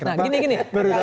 nah gini gini